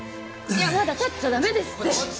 いやまだ立っちゃ駄目ですって！